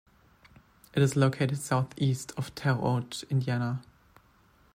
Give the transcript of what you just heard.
It is located southeast of Terre Haute, Indiana.